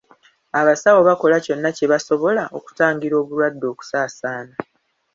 Abasawo bakola kyonna kye basobola okutangira obulwadde okusaasaana.